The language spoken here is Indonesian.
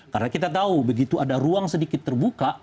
karena kita tahu begitu ada ruang sedikit terbuka